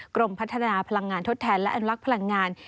กรมพัฒนาพลังงานทดแทนและอนุลักษ์พลังงาน